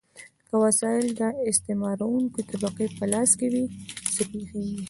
که وسایل د استثمارونکې طبقې په لاس کې وي، څه پیښیږي؟